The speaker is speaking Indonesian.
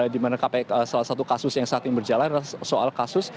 di mana salah satu kasus yang saat ini berjalan adalah soal kasus